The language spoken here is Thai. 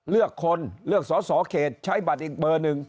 เลือกคนเลือกสอสอเขตใช้บัตรอีกเบอร์หนึ่ง